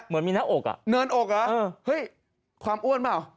เหมือนมีเนื้ออกอ่ะเนินอกเหรอความอ้วนเปล่า